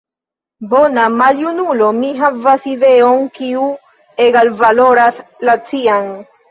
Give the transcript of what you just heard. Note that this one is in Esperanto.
«Bona maljunulo», mi havas ideon, kiu egalvaloras la cian.